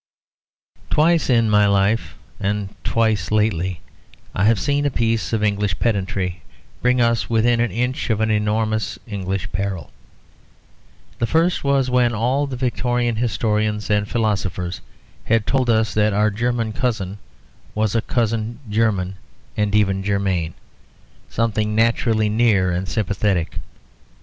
Twice in my life, and twice lately, I have seen a piece of English pedantry bring us within an inch of an enormous English peril. The first was when all the Victorian historians and philosophers had told us that our German cousin was a cousin german and even germane; something naturally near and sympathetic.